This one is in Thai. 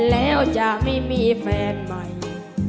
แล้วจะไม่มีแฟนใหม่